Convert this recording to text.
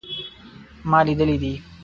ما لیدلی دی